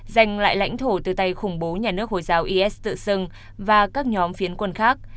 giành lại lãnh thổ từ tay khủng bố nhà nước hồi giáo is tự xưng và các nhóm phiến quân khác